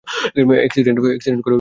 Accident করে মরবো নাকি।